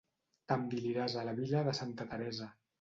T'enviliràs a la vila de santa Teresa.